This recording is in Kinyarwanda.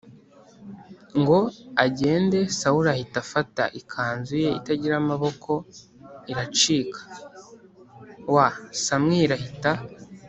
Ngo agende sawuli ahita afata ikanzu ye itagira amaboko iracika w samweli ahita